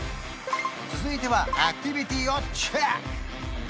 続いてはアクティビティをチェック！